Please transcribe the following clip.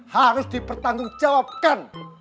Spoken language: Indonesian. harus dipertanggung jawabkan